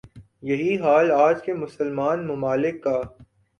یہی حال آج کے مسلمان ممالک کا